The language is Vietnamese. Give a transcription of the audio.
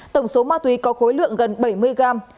tổng số ma túy có khối lượng gần bảy mươi gram